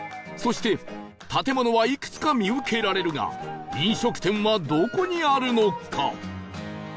そして建物はいくつか見受けられるが飲食店はどこにあるのか？